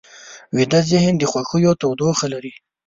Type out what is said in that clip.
ویده ذهن د خوښیو تودوخه لري